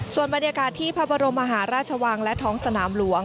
ส่วนบรรยากาศที่พระบรมมหาราชวังและท้องสนามหลวง